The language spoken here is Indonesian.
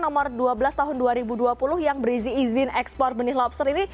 nomor dua belas tahun dua ribu dua puluh yang berisi izin ekspor benih lobster ini